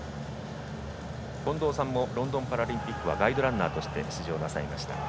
近藤さんもロンドンパラリンピックはガイドランナーとして出場なさいました。